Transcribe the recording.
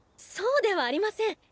そうではありません！